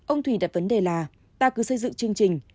ông thủy đặt vấn đề là ta cứ xây dựng chương trình